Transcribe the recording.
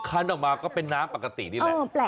ออกมาก็เป็นน้ำปกตินี่แหละ